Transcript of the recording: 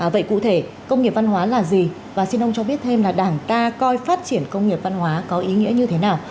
vậy cụ thể công nghiệp văn hóa là gì và xin ông cho biết thêm là đảng ta coi phát triển công nghiệp văn hóa có ý nghĩa như thế nào